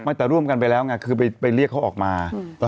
แต่ร่วมกันไปแล้วไงคือไปเรียกเขาออกมา